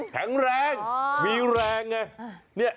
แข็งแรงมีแรงไง